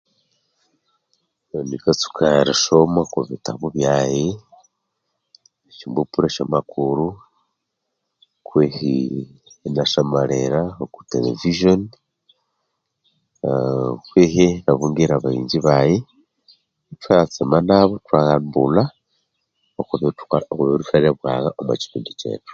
Nikatsuka erisoma okwa bitabu byaghe, esyo mbapura esya amakuru, kwihi inasamalira okwa television, aa kwihi inabungira abaghenzi baghe ithwatsema nabo ithwaghambulha okwa ebithuthwere bwagha omwa kyipindi kyethu.